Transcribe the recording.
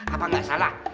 apa gak salah